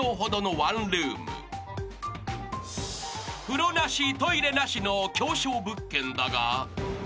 ［風呂なしトイレなしの狭小物件だが］